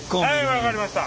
分かりました。